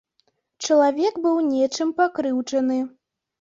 Чалавек быў нечым пакрыўджаны.